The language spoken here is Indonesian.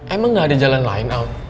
emang ga ada jalan lain al